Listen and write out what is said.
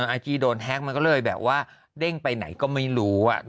อาจี้โดนแฮ็กมันก็เลยแบบว่าเด้งไปไหนก็ไม่รู้